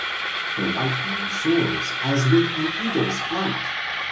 rhe white man soars, as with an eagle's flight.